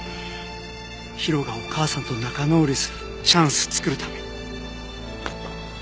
ヒロがお母さんと仲直りするチャンス作るために。